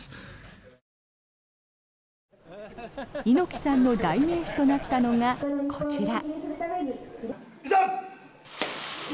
猪木さんの代名詞となったのがこちら。